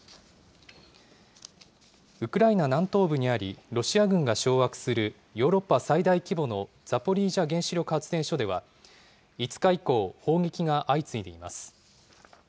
ウクライナ南東部にあり、ロシア軍が掌握するヨーロッパ最大規模のザポリージャ原子力発電所では、５日以降、砲撃が相次いでいます。